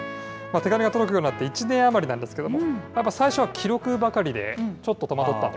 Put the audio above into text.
手紙が届くようになって、１年余りなんですけども、やっぱり最初は記録ばかりで、ちょっと戸惑ったと。